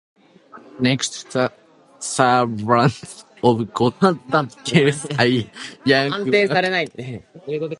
Next, the Servant of God kills a young man.